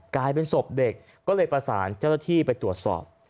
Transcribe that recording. กลายเป็นศพเด็กก็เลยประสานเจ้าหน้าที่ไปตรวจสอบ